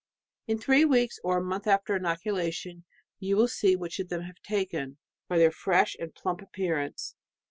" In three weeks or a month after inocula tion, you will see which of them have taken, by their fresh and plump appearance.